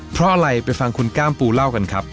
เพราะอะไรไปฟังคุณก้ามปูเล่ากันครับ